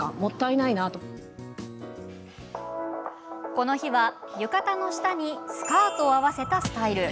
この日は、浴衣の下にスカートを合わせたスタイル。